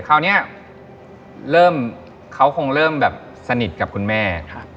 คราวนี้เริ่มเขาคงเริ่มแบบสนิทกับคุณแม่